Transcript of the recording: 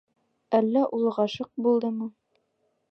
Әллә ул ғашиҡ булдымы?